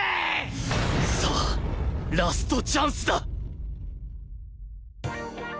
さあラストチャンスだ！